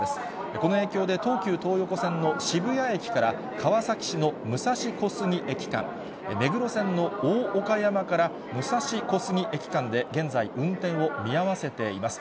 この影響で、東急東横線の渋谷駅から川崎市の武蔵小杉駅間、目黒線の大岡山から武蔵小杉駅間で現在、運転を見合わせています。